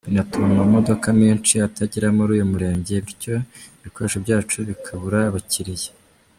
Binatuma amamodoka menshi atagera muri uyu murenge bityo ibikoresho byacu bikabura abakiriya”.